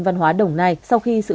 văn hóa đồng nai